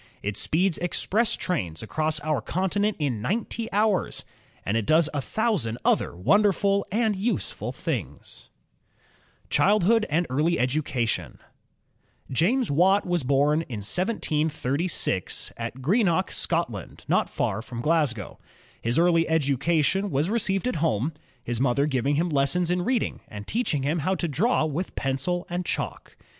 It speeds express trains across our continent in ninety hours, and it does a thousand other wonderful and useful things. 7 8 INVENTIONS OF STEAM AND ELECTRIC POWER Childhood and Early Education James Watt was bom in 1736, at Greenock, Scotland, not far from Glasgow. His early education was received at home, his mother giving him lessons in reading, and teaching him to draw with pencil and chalk.